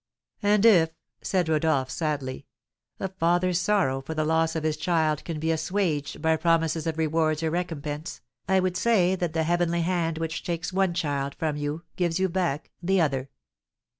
"And if," said Rodolph, sadly, "a father's sorrow for the loss of his child can be assuaged by promises of rewards or recompense, I would say that the heavenly hand which takes one child from you gives you back the other."